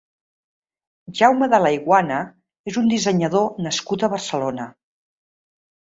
Jaume de Laiguana és un dissenyador nascut a Barcelona.